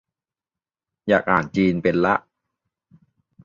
อยากอ่านจีนเป็นละ